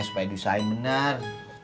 supaya diusahain benar